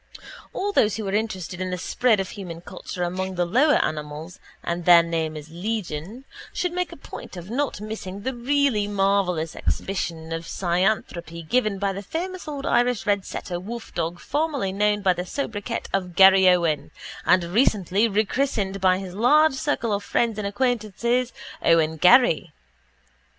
All those who are interested in the spread of human culture among the lower animals (and their name is legion) should make a point of not missing the really marvellous exhibition of cynanthropy given by the famous old Irish red setter wolfdog formerly known by the sobriquet of Garryowen and recently rechristened by his large circle of friends and acquaintances Owen Garry.